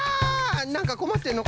なんかこまってるのか？